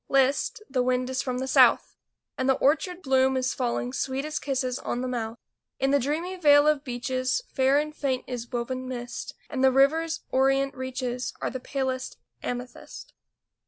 List, the wind is from the south ! And the orchard bloom is falling Sweet as kisses on the mouth. In the dreamy vale of beeches Fair and faint is woven mist, And the river's orient reaches Are the palest amethyst.